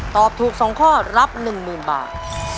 ตอบถูก๒ข้อรับ๑๐๐๐บาท